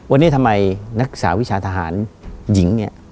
วันนี้ทำไมนักสารวิชาทหารหญิง